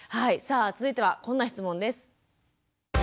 さあ続いてはこんな質問です。